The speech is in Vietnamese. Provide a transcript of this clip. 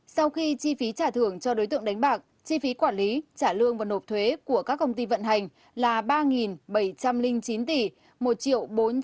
sau khi chi phí trả thưởng cho đối tượng đánh bạc chi phí quản lý trả lương và nộp thuế của các công ty vận hành là ba bảy trăm linh chín tỷ đồng